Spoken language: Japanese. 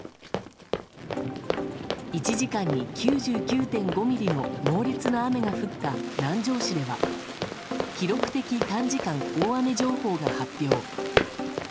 １時間に９９．５ミリの猛烈な雨が降った南城市では記録的短時間大雨情報が発表。